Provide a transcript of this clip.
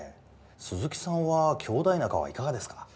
鈴木さんは兄弟仲はいかがですか？